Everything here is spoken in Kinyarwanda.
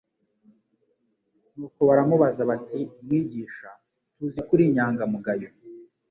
nuko baramubaza bati : "Mwigisha tuzi ko uri inyangamugayo